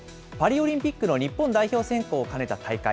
パリオリンピックの日本代表選考を兼ねた大会。